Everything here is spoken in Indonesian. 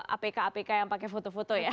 apk apk yang pakai foto foto ya